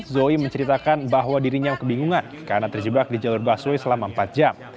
zoi menceritakan bahwa dirinya kebingungan karena terjebak di jalur busway selama empat jam